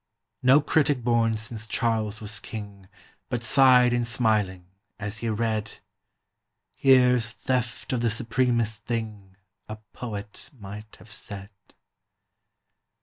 No critic born since Charles was king But sighed in smiling, as he read: "Here 's theft of the supremest thing A poet might have said!"